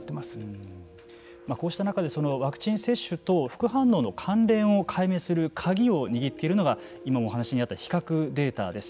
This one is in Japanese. こうした中でワクチン接種と副反応の関連を解明する鍵を握っているのが今お話にあった比較データです。